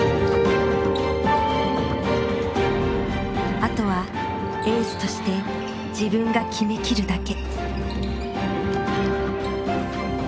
あとはエースとして自分が決めきるだけ。